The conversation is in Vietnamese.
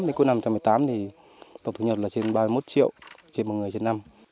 đến cuối năm hai nghìn một mươi tám thì tổng thu nhập là trên ba mươi một triệu trên một người trên năm